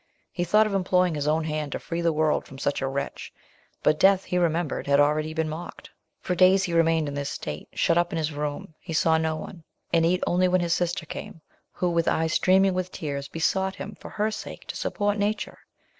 He thought of employing his own hand to free the world from such a wretch; but death, he remembered, had been already mocked. For days he remained in this state; shut up in his room, he saw no one, and ate only when his sister came, who, with eyes streaming with tears, besought him, for her sake, to support nature.